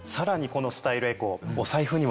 このスタイルエコ。